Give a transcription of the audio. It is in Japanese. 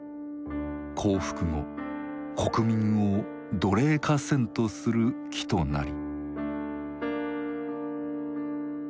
「降伏後国民を奴隷化せんとする企図なり」。